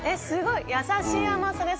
すごい優しい。